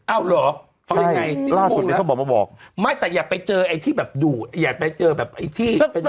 อ้าวเหรอทำยังไงนี่มันพูดแล้วไม่แต่อย่าไปเจอไอ้ที่แบบดูดอย่าไปเจอแบบไอ้ที่เป็นน้ำบวน